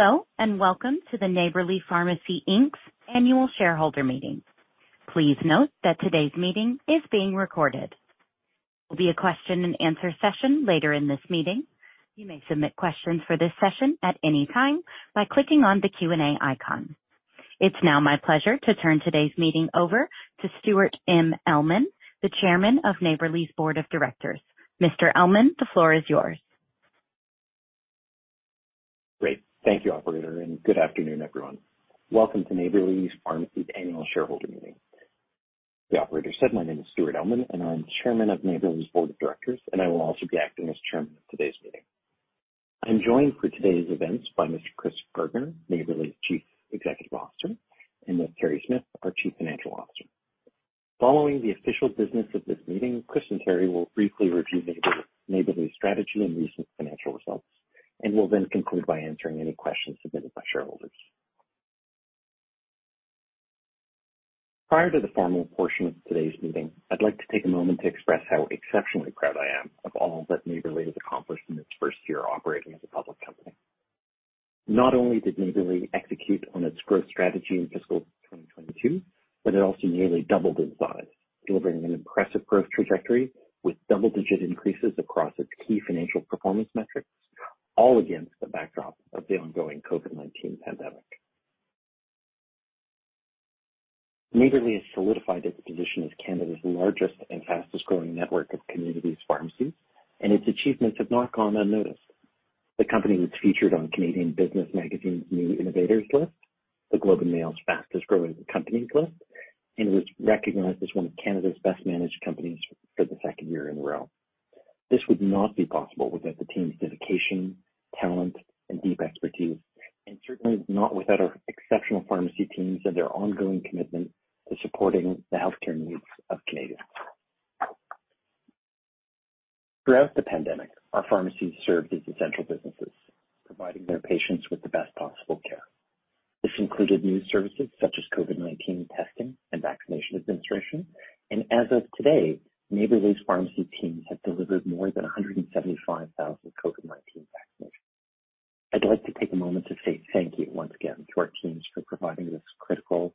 Hello, welcome to Neighbourly Pharmacy Inc.'s annual shareholder meeting. Please note that today's meeting is being recorded. There will be a question and answer session later in this meeting. You may submit questions for this session at any time by clicking on the Q&A icon. It's now my pleasure to turn today's meeting over to Stuart M. Elman, the Chairman of Neighbourly's board of directors. Mr. Elman, the floor is yours. Great. Thank you, operator, and good afternoon, everyone. Welcome to Neighbourly Pharmacy's annual shareholder meeting. The operator said my name is Stuart Elman, and I'm Chairman of Neighbourly's board of directors, and I will also be acting as Chairman of today's meeting. I'm joined for today's events by Mr. Chris Gardner, Neighbourly's Chief Executive Officer, and Ms. Terri Smyth, our Chief Financial Officer. Following the official business of this meeting, Chris and Terri will briefly review Neighbourly's strategy and recent financial results, and will then conclude by answering any questions submitted by shareholders. Prior to the formal portion of today's meeting, I'd like to take a moment to express how exceptionally proud I am of all that Neighbourly has accomplished in its first year operating as a public company. Not only did Neighbourly execute on its growth strategy in fiscal 2022, it also nearly doubled in size, delivering an impressive growth trajectory with double-digit increases across its key financial performance metrics, all against the backdrop of the ongoing COVID-19 pandemic. Neighbourly has solidified its position as Canada's largest and fastest-growing network of community pharmacies, its achievements have not gone unnoticed. The company was featured on Canadian Business Magazine's New Innovators List, The Globe and Mail's Fastest Growing Companies list, was recognized as one of Canada's Best Managed Companies for the second year in a row. This would not be possible without the team's dedication, talent, and deep expertise, certainly not without our exceptional pharmacy teams and their ongoing commitment to supporting the healthcare needs of Canadians. Throughout the pandemic, our pharmacies served as essential businesses, providing their patients with the best possible care. This included new services such as COVID-19 testing and vaccination administration. As of today, Neighbourly's pharmacy teams have delivered more than 175,000 COVID-19 vaccinations. I'd like to take a moment to say thank you once again to our teams for providing this critical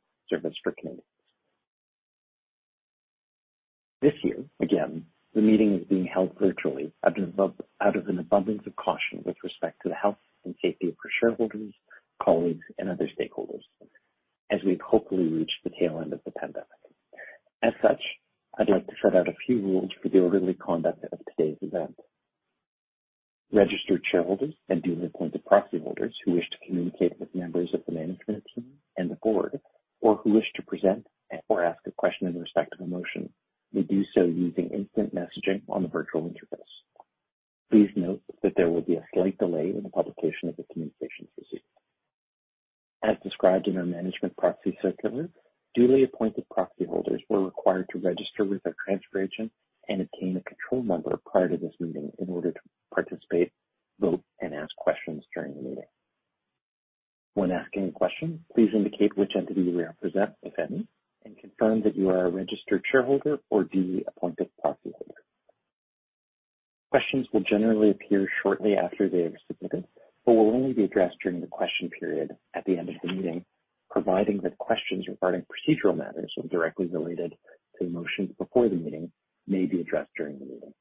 but will only be addressed during the question period at the end of the meeting, providing that questions regarding procedural matters or directly related to motions before the meeting may be addressed during the meeting.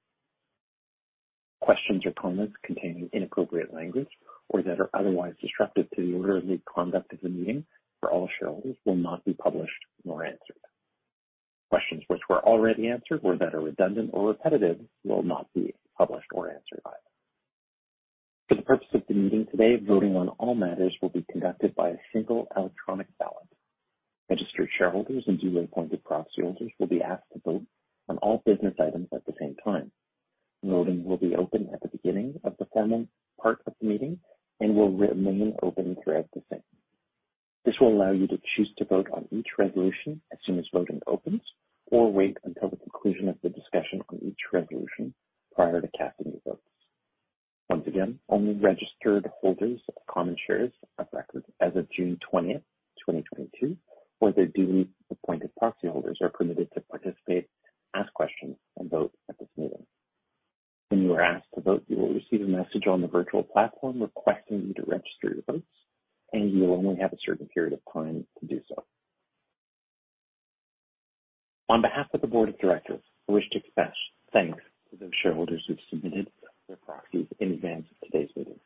Questions or comments containing inappropriate language or that are otherwise disruptive to the orderly conduct of the meeting for all shareholders will not be published nor answered. Questions which were already answered or that are redundant or repetitive will not be published or answered either. For the purpose of the meeting today, voting on all matters will be conducted by a single electronic ballot. Registered shareholders and duly appointed proxy holders will be asked to vote on all business items at the same time. Voting will be open at the beginning of the formal part of the meeting and will remain open throughout the same. This will allow you to choose to vote on each resolution as soon as voting opens or wait until the conclusion of the discussion on each resolution prior to casting your votes. Once again, only registered holders of common shares of record as of June 20th, 2022, or their duly appointed proxy holders are permitted to participate, ask questions, and vote at this meeting. When you are asked to vote, you will receive a message on the virtual platform requesting you to register your votes, and you will only have a certain period of time to do so. On behalf of the board of directors, I wish to express thanks to those shareholders who submitted their proxies in advance of today's meeting.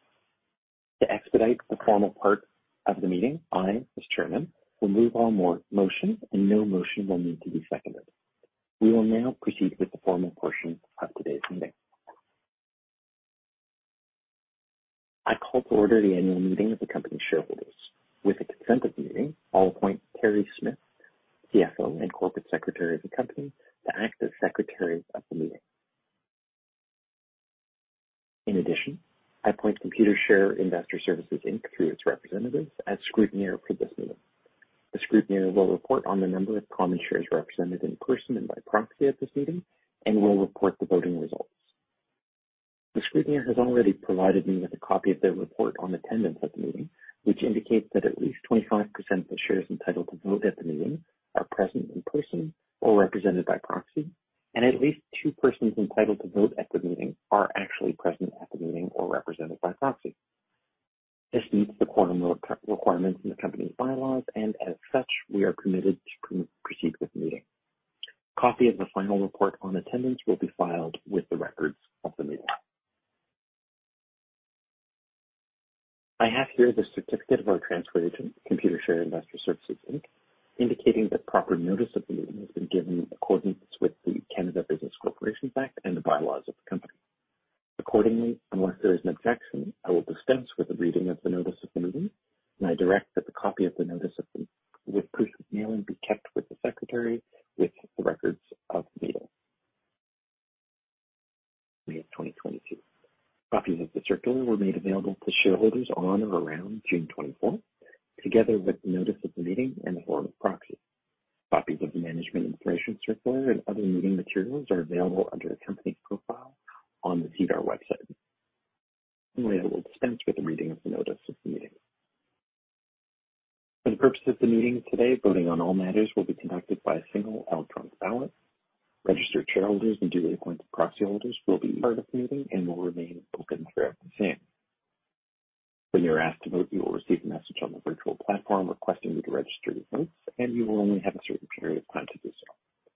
To expedite the formal part of the meeting, I, as chairman, will move all motions, and no motion will need to be seconded. We will now proceed with the formal portion of today's meeting. I call to order the annual meeting of the company's shareholders. With the consent of the meeting, I'll appoint Terri Smyth, CFO and corporate secretary of the company, to act as secretary of the meeting. In addition, I appoint Computershare Investor Services Inc., through its representatives, as scrutineer for this meeting. The scrutineer will report on the number of common shares represented in person and by proxy at this meeting and will report the voting results. The scrutineer has already provided me with a copy of their report on attendance at the meeting, which indicates that at least 25% of the shares entitled to vote at the meeting are present in person or represented by proxy. At least two persons entitled to vote at the meeting are actually present at the meeting or represented by proxy. This meets the quorum requirements in the company's bylaws. As such, we are permitted to proceed with the meeting. Copy of the final report on attendance will be filed with the records of the meeting. I have here the certificate of our transfer agent, Computershare Investor Services Inc., indicating that proper notice of the meeting has been given Registered shareholders and duly appointed proxy holders will be part of the meeting and will remain open throughout the same. When you are asked to vote, you will receive a message on the virtual platform requesting you to register your votes, and you will only have a certain period of time to do so.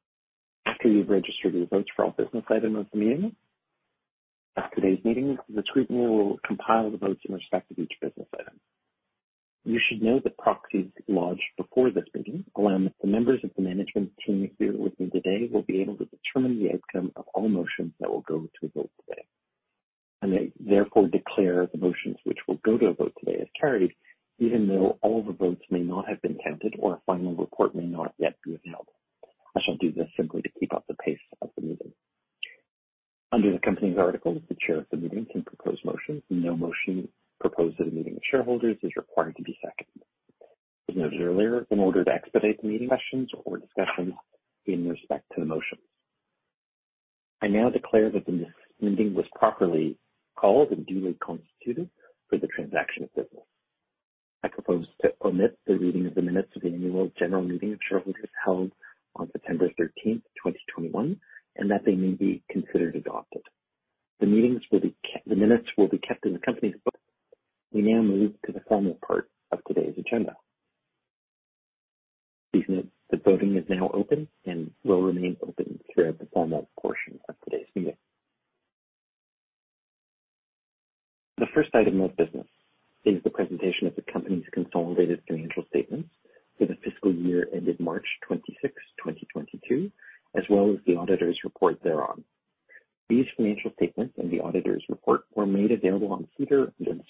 After you've registered your votes for all business items of the meeting, after today's meeting, the team will compile the votes in respect of each business item. You should know that proxies lodged before this meeting, along with the members of the management team here with me today, will be able to determine the outcome of all motions that will go to a vote today. I may therefore declare the motions which will go to a vote today as carried, even though all the votes may not have been counted or a final report may not yet be available. I shall do this simply to keep up the pace of the meeting. Under the company's articles, the chair of the meeting can propose motions, and no motion proposed at a meeting of shareholders is required to be seconded. As noted earlier, in order to expedite the meeting sessions or discussions in respect to the motions, I now declare that the meeting was properly called and duly constituted for the transaction of business. I propose to omit the reading of the minutes of the annual general meeting of shareholders held on September 13th, 2021, and that they may be considered adopted. The minutes will be kept in the company's book. We now move to the formal part of today's agenda. Please note that voting is now open and will remain open throughout the formal portion of today's meeting. The first item of business is the presentation of the company's consolidated financial statements for the fiscal year ended March 26th, 2022, as well as the auditor's report thereon. These financial statements and the auditor's report were made available on SEDAR with the reading of the auditor's report. Chris Gardner and Terri will discuss the financial statements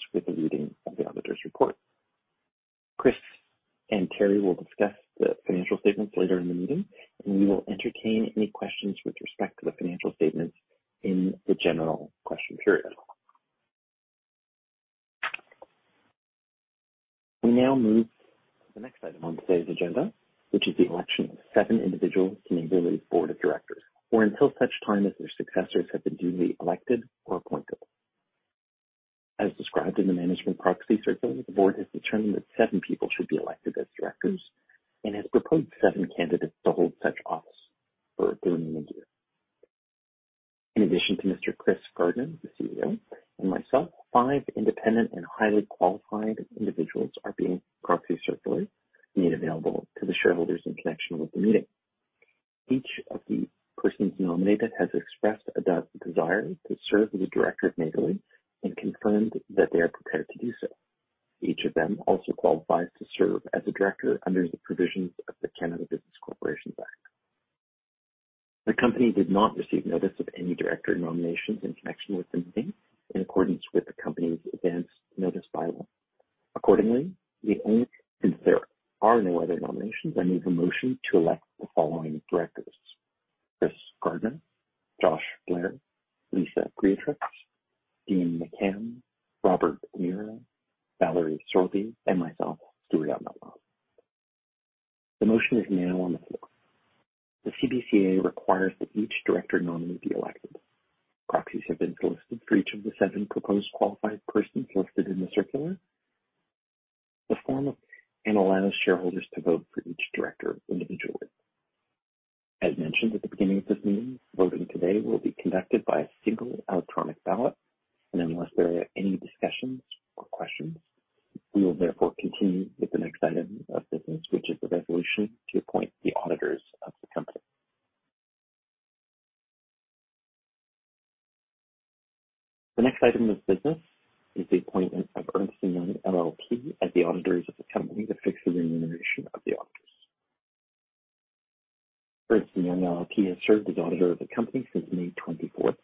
later in Each of them also qualifies to serve as a director under the provisions of the Canada Business Corporations Act. The company did not receive notice of any director nominations in connection with the meeting in accordance with the company's advance notice bylaw. Accordingly, since there are no other nominations, I move a motion to elect the following directors: Chris Gardner, Josh Blair, Lisa Greatrix, Dean McCann, Robert O'Meara, Valerie Sorbie, and myself, Stuart M. Elman. The motion is now on the floor. The CBCA requires that each director nominee be elected. Proxies have been solicited for each of the seven proposed qualified persons listed in the circular. Allows shareholders to vote for each director individually. As mentioned at the beginning of this meeting, voting today will be conducted by a single electronic ballot. Unless there are any discussions or questions, we will therefore continue with the next item of business, which is the resolution to appoint the auditors of the company. The next item of business is the appointment of Ernst & Young LLP as the auditors of the company to fix the remuneration of the auditors. Ernst & Young LLP has served as auditor of the company since May 24th,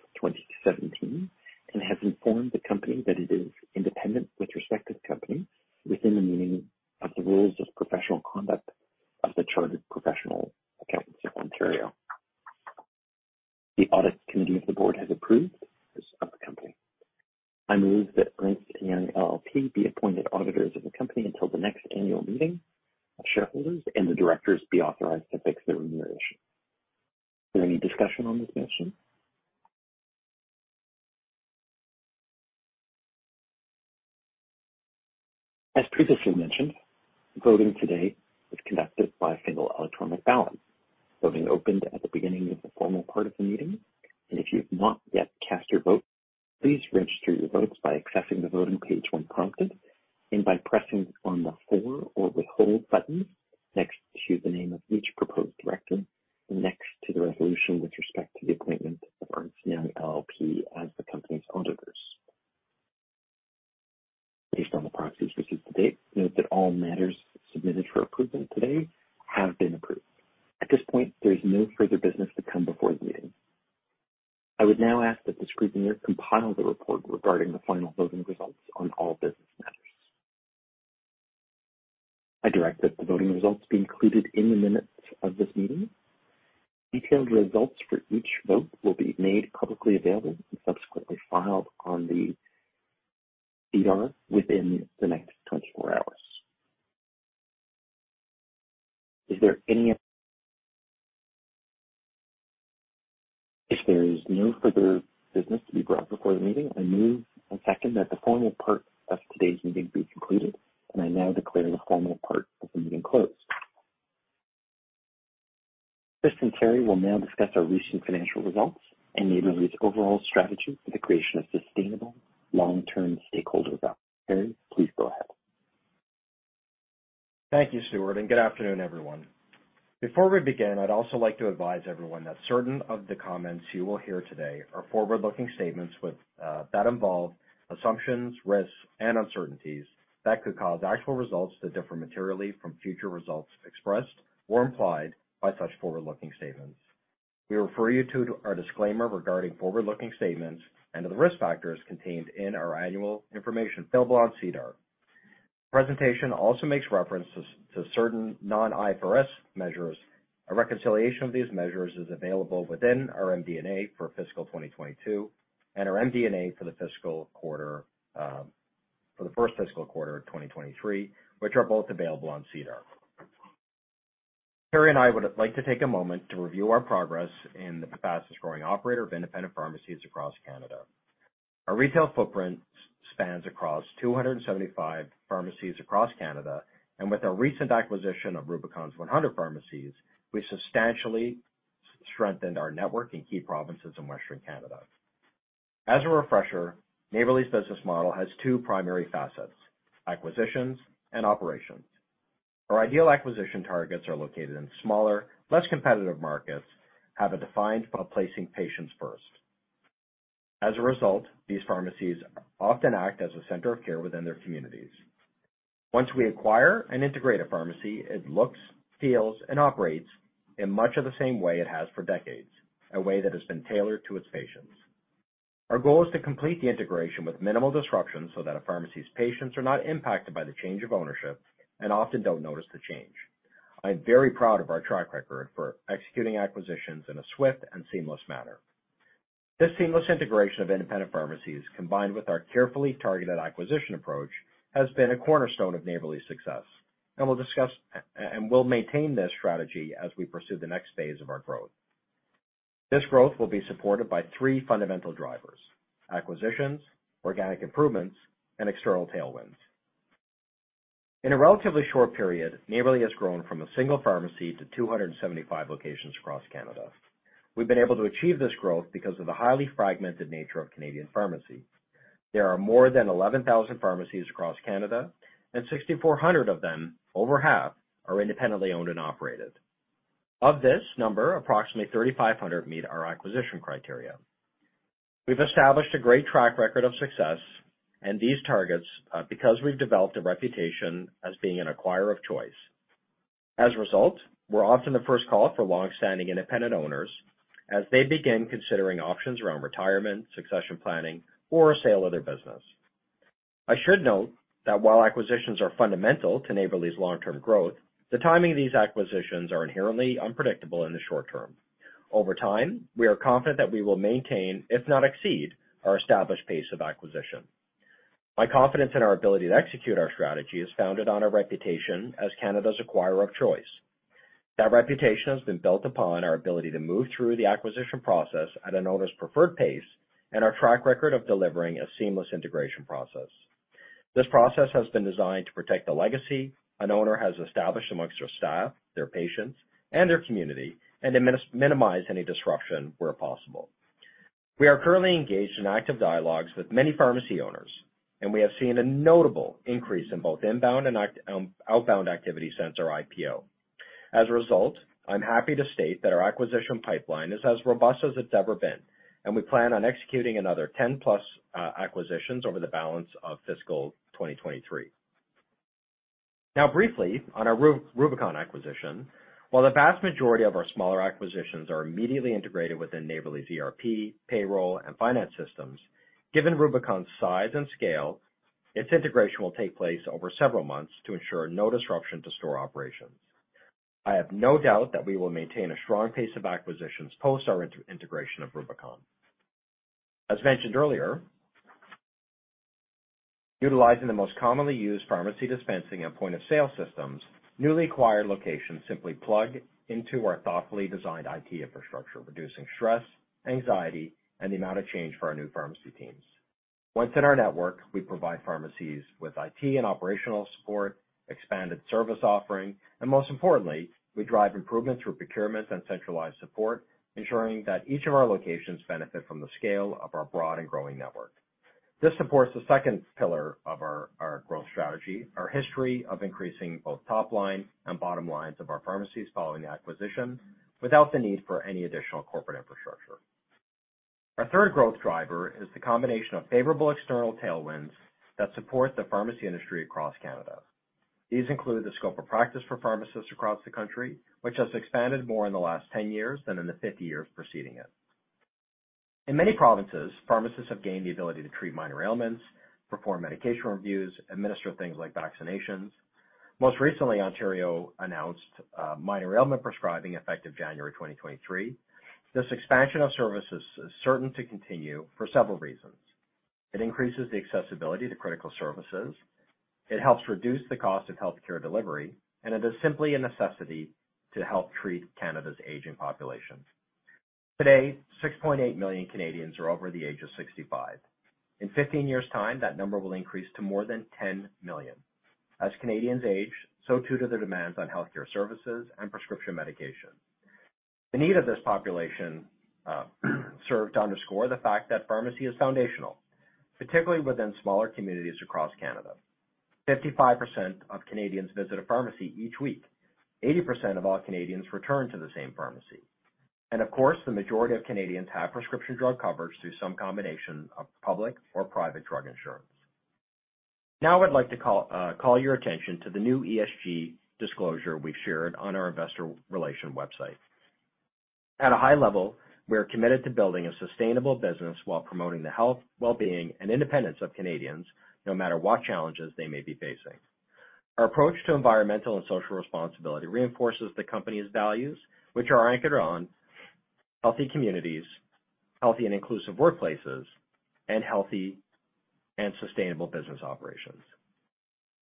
respect to the appointment of Ernst & Young LLP as the company's auditors. Based on the proxies received to date, note that all matters submitted for approval today have been approved. At this point, there is no further business to come before the meeting. I would now ask that the scrutineer compile the report regarding the final voting results on all business matters. I direct that the voting results be included in the minutes of this meeting. Detailed results for each vote will be made publicly available and subsequently filed on the SEDAR within the next 24 hours. If there is no further business to be brought before the meeting, I move and second that the formal part of today's meeting be concluded, and I now declare the formal part of the meeting closed. Chris and Terri will now discuss our recent financial results and Neighbourly's overall strategy for the creation of sustainable long-term stakeholder value. Chris, please go ahead. Thank you, Stuart, and good afternoon, everyone. Before we begin, I'd also like to advise everyone that certain of the comments you will hear today are forward-looking statements that involve assumptions, risks, and uncertainties that could cause actual results to differ materially from future results expressed or implied by such forward-looking statements. We refer you to our disclaimer regarding forward-looking statements and to the risk factors contained in our annual information available on SEDAR. Presentation also makes reference to certain non-IFRS measures. A reconciliation of these measures is available within our MD&A for fiscal 2022 and our MD&A for the first fiscal quarter of 2023, which are both available on SEDAR. Terri and I would like to take a moment to review our progress in the fastest-growing operator of independent pharmacies across Canada. Our retail footprint spans across 275 pharmacies across Canada, and with our recent acquisition of Rubicon's 100 pharmacies, we substantially strengthened our network in key provinces in Western Canada. As a refresher, Neighbourly's business model has two primary facets: acquisitions and operations. Our ideal acquisition targets are located in smaller, less competitive markets, have a defined placing patients first. As a result, these pharmacies often act as a center of care within their communities. Once we acquire and integrate a pharmacy, it looks, feels, and operates in much of the same way it has for decades, a way that has been tailored to its patients. Our goal is to complete the integration with minimal disruption so that a pharmacy's patients are not impacted by the change of ownership and often don't notice the change. I'm very proud of our track record for executing acquisitions in a swift and seamless manner. This seamless integration of independent pharmacies, combined with our carefully targeted acquisition approach, has been a cornerstone of Neighbourly's success. We'll discuss-- We'll maintain this strategy as we pursue the next phase of our growth. This growth will be supported by three fundamental drivers: acquisitions, organic improvements, and external tailwinds. In a relatively short period, Neighbourly has grown from a single pharmacy to 275 locations across Canada. We've been able to achieve this growth because of the highly fragmented nature of Canadian pharmacy. There are more than 11,000 pharmacies across Canada, 6,400 of them, over half, are independently owned and operated. Of this number, approximately 3,500 meet our acquisition criteria. We've established a great track record of success and these targets, because we've developed a reputation as being an acquirer of choice. As a result, we're often the first call for long-standing independent owners as they begin considering options around retirement, succession planning, or a sale of their business. I should note that while acquisitions are fundamental to Neighbourly's long-term growth, the timing of these acquisitions are inherently unpredictable in the short term. Over time, we are confident that we will maintain, if not exceed, our established pace of acquisition. My confidence in our ability to execute our strategy is founded on our reputation as Canada's acquirer of choice. That reputation has been built upon our ability to move through the acquisition process at an owner's preferred pace and our track record of delivering a seamless integration process. This process has been designed to protect the legacy an owner has established amongst their staff, their patients, and their community and minimize any disruption where possible. We are currently engaged in active dialogues with many pharmacy owners. We have seen a notable increase in both inbound and outbound activity since our IPO. As a result, I'm happy to state that our acquisition pipeline is as robust as it's ever been. We plan on executing another 10+ acquisitions over the balance of fiscal 2023. Briefly on our Rubicon acquisition. While the vast majority of our smaller acquisitions are immediately integrated within Neighbourly's ERP, payroll, and finance systems, given Rubicon's size and scale, its integration will take place over several months to ensure no disruption to store operations. I have no doubt that we will maintain a strong pace of acquisitions post our integration of Rubicon. As mentioned earlier, utilizing the most commonly used pharmacy dispensing and point-of-sale systems, newly acquired locations simply plug into our thoughtfully designed IT infrastructure, reducing stress, anxiety, and the amount of change for our new pharmacy teams. Once in our network, we provide pharmacies with IT and operational support, expanded service offering, and most importantly, we drive improvements through procurement and centralized support, ensuring that each of our locations benefit from the scale of our broad and growing network. This supports the second pillar of our growth strategy, our history of increasing both top line and bottom lines of our pharmacies following the acquisition, without the need for any additional corporate infrastructure. Our third growth driver is the combination of favorable external tailwinds that support the pharmacy industry across Canada. These include the scope of practice for pharmacists across the country, which has expanded more in the last 10 years than in the 50 years preceding it. In many provinces, pharmacists have gained the ability to treat minor ailments, perform medication reviews, administer things like vaccinations. Most recently, Ontario announced minor ailment prescribing effective January 2023. This expansion of services is certain to continue for several reasons. It increases the accessibility to critical services, it helps reduce the cost of healthcare delivery, and it is simply a necessity to help treat Canada's aging population. Today, 6.8 million Canadians are over the age of 65. In 15 years' time, that number will increase to more than 10 million. As Canadians age, so too do the demands on healthcare services and prescription medication. The need of this population serve to underscore the fact that pharmacy is foundational, particularly within smaller communities across Canada. 55% of Canadians visit a pharmacy each week. 80% of all Canadians return to the same pharmacy. Of course, the majority of Canadians have prescription drug coverage through some combination of public or private drug insurance. Now, I'd like to call your attention to the new ESG disclosure we've shared on our investor relation website. At a high level, we are committed to building a sustainable business while promoting the health, well-being, and independence of Canadians, no matter what challenges they may be facing. Our approach to environmental and social responsibility reinforces the company's values, which are anchored on healthy communities, healthy and inclusive workplaces, and healthy and sustainable business operations.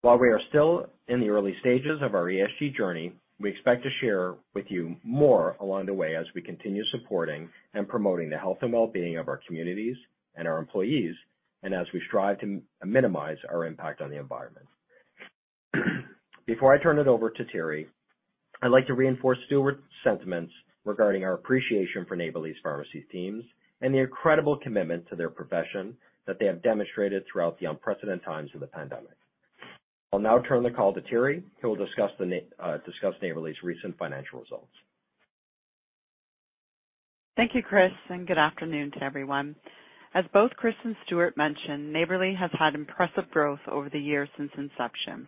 While we are still in the early stages of our ESG journey, we expect to share with you more along the way as we continue supporting and promoting the health and well-being of our communities and our employees, and as we strive to minimize our impact on the environment. Before I turn it over to Terri, I'd like to reinforce Stuart's sentiments regarding our appreciation for Neighbourly's pharmacy teams and the incredible commitment to their profession that they have demonstrated throughout the unprecedented times of the pandemic. I'll now turn the call to Terri, who will discuss Neighbourly's recent financial results. Thank you, Chris. Good afternoon to everyone. As both Chris and Stuart mentioned, Neighbourly has had impressive growth over the years since inception.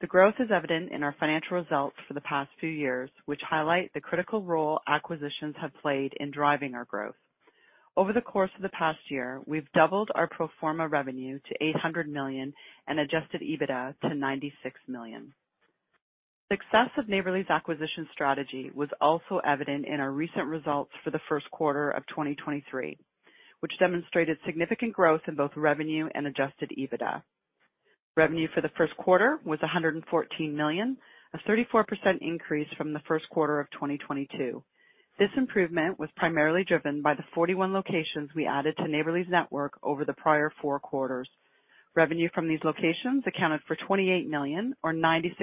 The growth is evident in our financial results for the past few years, which highlight the critical role acquisitions have played in driving our growth. Over the course of the past year, we've doubled our pro forma revenue to 800 million and adjusted EBITDA to 96 million. Success of Neighbourly's acquisition strategy was also evident in our recent results for the first quarter of 2023, which demonstrated significant growth in both revenue and adjusted EBITDA. Revenue for the first quarter was 114 million, a 34% increase from the first quarter of 2022. This improvement was primarily driven by the 41 locations we added to Neighbourly's network over the prior four quarters. Revenue from these locations accounted for 28 million or 96%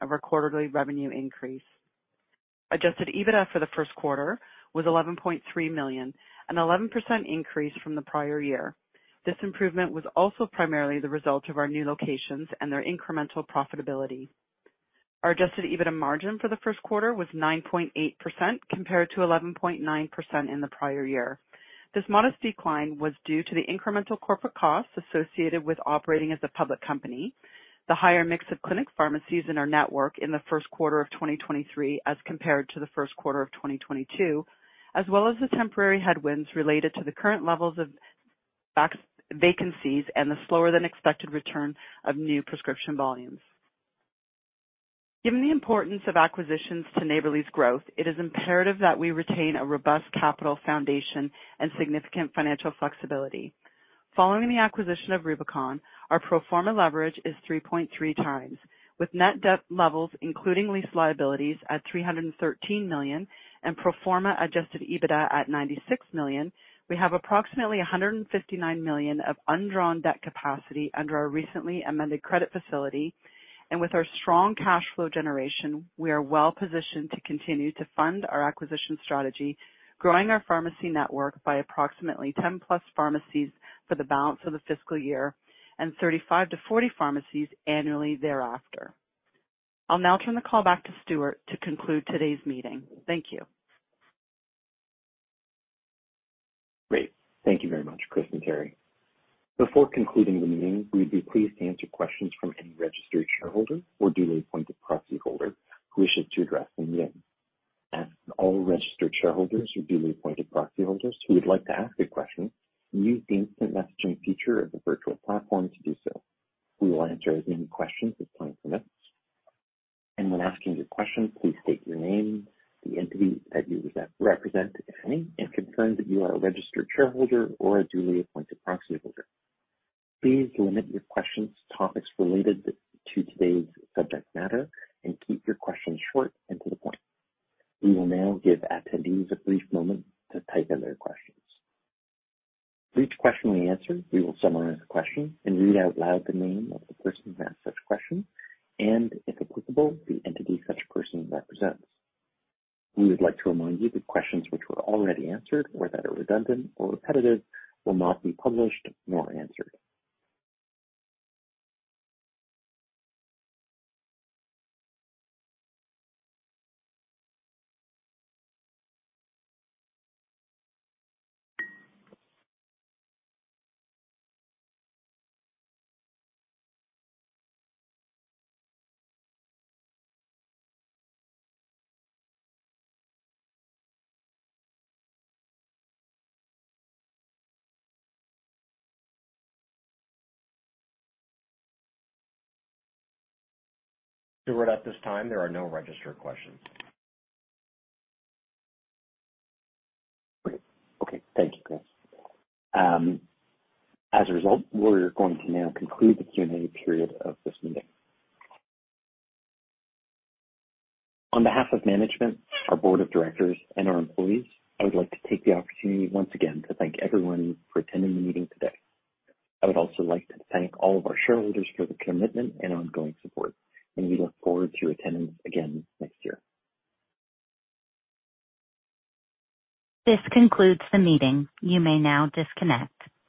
of our quarterly revenue increase. Adjusted EBITDA for the first quarter was 11.3 million, an 11% increase from the prior year. This improvement was also primarily the result of our new locations and their incremental profitability. Our Adjusted EBITDA margin for the first quarter was 9.8%, compared to 11.9% in the prior year. This modest decline was due to the incremental corporate costs associated with operating as a public company, the higher mix of clinic pharmacies in our network in the first quarter of 2023 as compared to the first quarter of 2022, as well as the temporary headwinds related to the current levels of vacancies and the slower than expected return of new prescription volumes. Given the importance of acquisitions to Neighbourly's growth, it is imperative that we retain a robust capital foundation and significant financial flexibility. Following the acquisition of Rubicon, our pro forma leverage is 3.3x, with net debt levels, including lease liabilities at 313 million and pro forma adjusted EBITDA at 96 million. We have approximately 159 million of undrawn debt capacity under our recently amended credit facility. With our strong cash flow generation, we are well-positioned to continue to fund our acquisition strategy, growing our pharmacy network by approximately 10+ pharmacies for the balance of the fiscal year and 35-40 pharmacies annually thereafter. I'll now turn the call back to Stuart to conclude today's meeting. Thank you. Great. Thank you very much, Chris and Terri. Before concluding the meeting, we'd be pleased to answer questions from any registered shareholder or duly appointed proxyholder who wishes to address the meeting. As all registered shareholders or duly appointed proxyholders who would like to ask a question, use the instant messaging feature of the virtual platform to do so. We will answer as many questions as time permits. When asking your question, please state your name, the entity that you represent, if any, and confirm that you are a registered shareholder or a duly appointed proxyholder. Please limit your questions to topics related to today's subject matter and keep your questions short and to the point. We will now give attendees a brief moment to type in their questions. For each question we answer, we will summarize the question and read out loud the name of the person who asked such question and, if applicable, the entity such person represents. We would like to remind you that questions which were already answered or that are redundant or repetitive will not be published nor answered. Stuart, at this time, there are no registered questions. Great. Okay. Thank you, Chris. As a result, we're going to now conclude the Q&A period of this meeting. On behalf of management, our board of directors, and our employees, I would like to take the opportunity once again to thank everyone for attending the meeting today. I would also like to thank all of our shareholders for their commitment and ongoing support, and we look forward to your attendance again next year. This concludes the meeting. You may now disconnect.